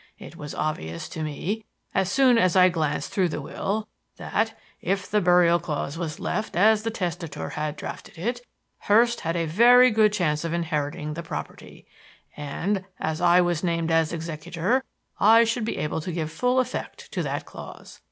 It was obvious to me, as soon as I glanced through the will, that, if the burial clause was left as the testator had drafted it, Hurst had a very good chance of inheriting the property; and, as I was named as the executor I should be able to give full effect to that clause.